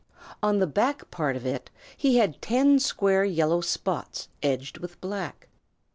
On the back part of it he had ten square yellow spots edged with black.